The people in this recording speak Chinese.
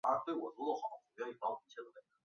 奥埃岑是德国下萨克森州的一个市镇。